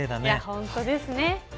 本当ですね。